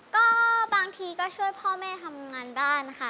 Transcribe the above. ก็บางทีก็ช่วยพ่อแม่ทำงานบ้านค่ะ